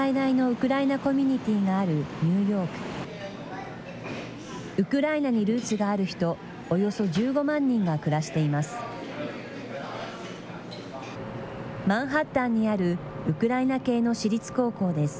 ウクライナにルーツがある人、およそ１５万人が暮らしています。